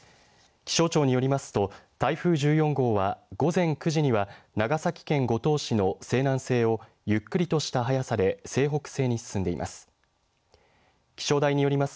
気象庁によりますと台風１４号は午前９時には長崎県五島市の西南西をゆっくりとした速さで西北西に進んでいます。